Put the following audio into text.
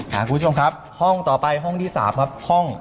คุณผู้ชมครับห้องต่อไปห้องที่๓ครับห้อง